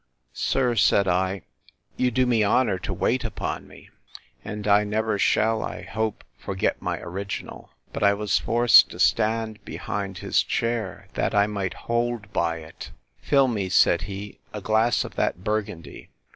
Sir, said I, you do me honour to wait upon you:—And I never shall, I hope, forget my original. But I was forced to stand behind his chair, that I might hold by it. Fill me, said he, a glass of that Burgundy.